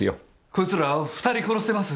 こいつら２人殺してます。